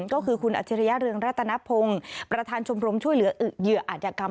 ก็คือคุณอัจฉริยะเรืองรัตนพงศ์ประธานชมรมช่วยเหลือเหยื่ออาจยกรรม